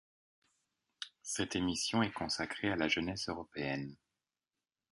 Cette émission est consacrée à la jeunesse européenne.